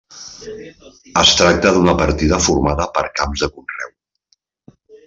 Es tracta d'una partida formada per camps de conreu.